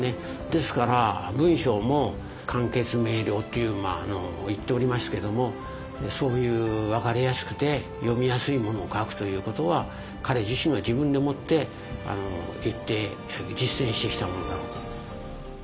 ですから文章も簡潔明瞭っていう言っておりますけどもそういう分かりやすくて読みやすいものを書くということは彼自身が自分で思って言って実践してきたものだと。